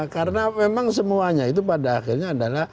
karena memang semuanya itu pada akhirnya adalah